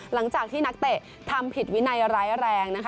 หลังจากที่นักเตะทำผิดวินัยร้ายแรงนะคะ